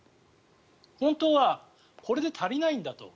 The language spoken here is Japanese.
本当は、これで足りないんだと。